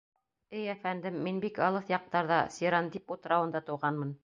— Эй әфәндем, мин бик алыҫ яҡтарҙа, Сирандип утрауында тыуғанмын.